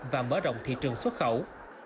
và mở rộng thị trường xuất khẩu